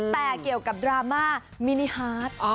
แต่เกี่ยวกับดราม่ามินิฮาร์ด